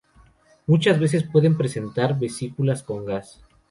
Muchas veces pueden presentar vesículas con gas.